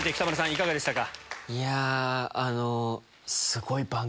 いかがでしたか？